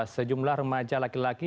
sejumlah remaja laki laki